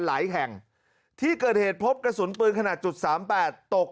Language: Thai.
หลายแห่งที่เกิดเหตุพบกระสุนปืนขนาดจุดสามแปดตก